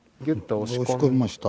押し込みました。